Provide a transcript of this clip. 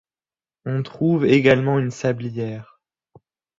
On trouve également une sablière.